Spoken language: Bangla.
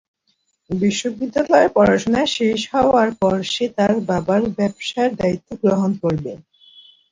বিশ্ববিদ্যালয়ের পড়াশোনা শেষ হওয়ার পর সে তার বাবার ব্যবসায়ের দায়িত্ব গ্রহণ করবে।